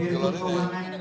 di luar ini